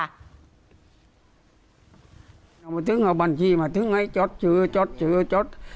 อ่ะมาถึงเอาบัญชีมาถึงไงจดเชือจดเชือจด